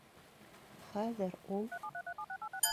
Хәҙер ул: